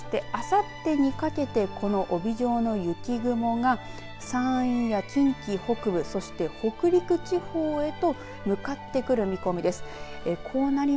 そして、あさってにかけてこの帯状の雪雲が山陰や近畿北部そして北陸地方へと向かってくる見込みです。